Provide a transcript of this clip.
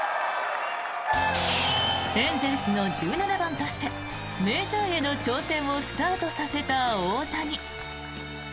エンゼルスの１７番としてメジャーへの挑戦をスタートさせた大谷。